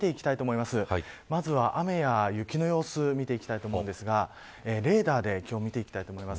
まずは雨や雪の様子見ていきたいと思うんですがレーダーで見ていきたいと思います。